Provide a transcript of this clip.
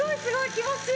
気持ちいい。